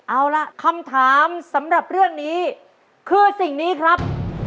เอาล่ะคำถามสำหรับเรื่องนี้คือสิ่งนี้ครับ